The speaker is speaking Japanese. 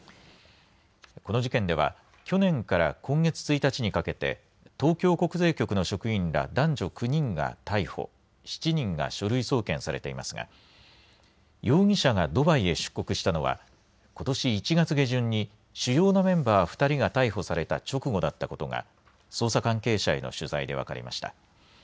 この事件では去年から今月１日にかけて東京国税局の職員ら男女９人が逮捕、７人が書類送検されていますが、容疑者がドバイへ出国したのはことし１月下旬に主要なメンバー２人が逮捕された直後だったことが捜査関係者への取材で分かりました。